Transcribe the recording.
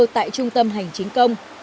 tại trung tâm hành chính công